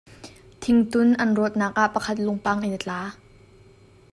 Thingtum an rawtnak ah pakhat lungpang in a tla.